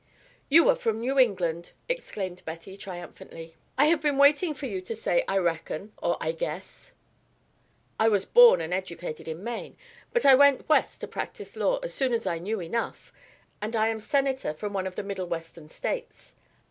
"You are from New England," exclaimed Betty, triumphantly. "I have been waiting for you to say 'I reckon' or 'I guess.'" "I was born and educated in Maine, but I went west to practise law as soon as I knew enough, and I am Senator from one of the Middle Western States."